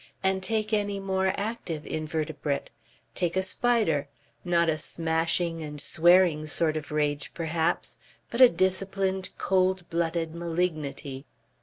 And take any more active invertebrate. Take a spider. Not a smashing and swearing sort of rage perhaps, but a disciplined, cold blooded malignity.